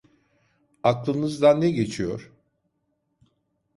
Aklınızdan ne geçiyor?